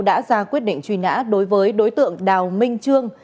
đã ra quyết định truy nã đối với đối tượng đào minh trương